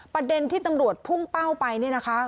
ประเด็นที่ตำรวจพุ่งเป้าไปเนี่ยนะคะ